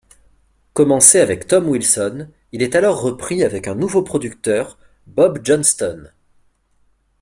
Commencé avec Tom Wilson, il est alors repris avec un nouveau producteur, Bob Johnston.